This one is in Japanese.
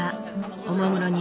おもむろに